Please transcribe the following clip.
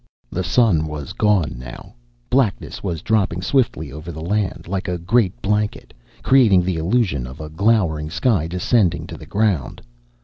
The sun was gone now. Blackness was dropping swiftly over the land, like a great blanket, creating the illusion of the glowering sky descending to the ground.